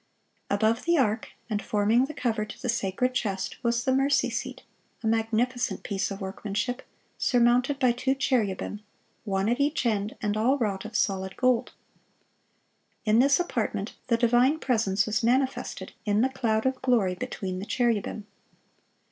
Above the ark, and forming the cover to the sacred chest, was the mercy seat, a magnificent piece of workmanship, surmounted by two cherubim, one at each end, and all wrought of solid gold. In this apartment the divine presence was manifested in the cloud of glory between the cherubim.